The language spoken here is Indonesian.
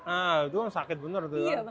itu sakit benar